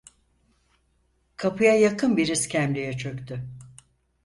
Kapıya yakın bir iskemleye çöktü.